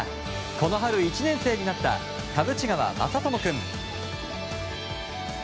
この春１年生になった田渕川真朋君。